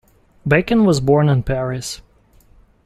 Bacon was born in Paris.